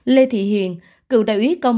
lê thị hiền cựu đại úy công an